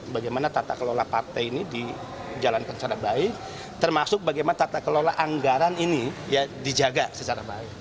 bagaimana tata kelola partai ini dijalankan secara baik termasuk bagaimana tata kelola anggaran ini dijaga secara baik